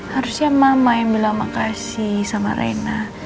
harusnya mama yang bilang makasih sama reina